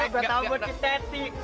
gue tau buat si teti